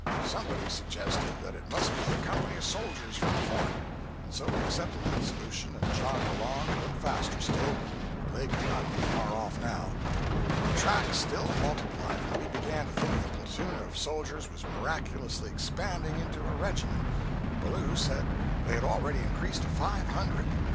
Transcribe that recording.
Somebody suggested that it must be a company of soldiers from the fort, and so we accepted that solution and jogged along a little faster still, for they could not be far off now. But the tracks still multiplied, and we began to think the platoon of soldiers was miraculously expanding into a regiment—Ballou said they had already increased to five hundred!